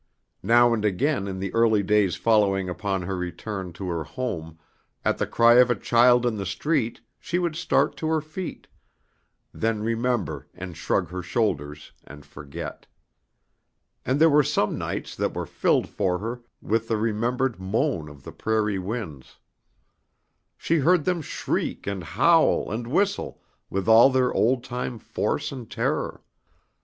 Now and again in the early days following upon her return to her home, at the cry of a child in the street, she would start to her feet, then remember and shrug her shoulders and forget. And there were some nights that were filled for her with the remembered moan of the prairie winds. She heard them shriek and howl and whistle with all their old time force and terror.